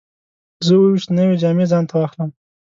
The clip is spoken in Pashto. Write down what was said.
زه اووه ویشت نوې جامې ځان ته واخلم.